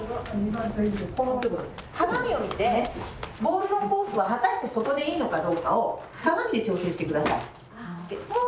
鏡を見てボールのコースは果たしてそこでいいのかどうかを鏡で調整して下さい。